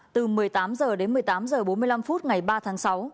từ một mươi tám h đến một mươi tám h bốn mươi năm phút ngày ba tháng sáu